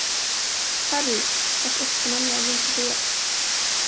Harry, vars efternamn jag inte vet.